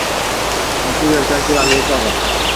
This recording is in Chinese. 曾出任山西大学校长。